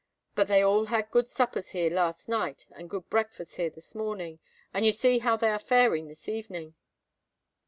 But they all had good suppers here last night, and good breakfasts here this morning; and you see how they are faring this evening."